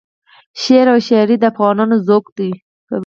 شعر او شایري د افغانانو ذوق دی.